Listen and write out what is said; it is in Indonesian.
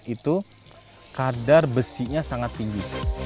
itu kadar besinya sangat tinggi